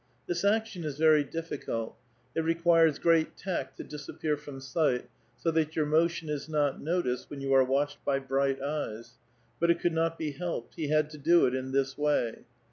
This action is ver^' difficult ; it requires great tact to disappear from sight 80 tliat your motion is not noticed, when 30U are watched !>}' l> right eyes ; but it could not be helped ; he had to do in this way.